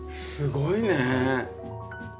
すごいね！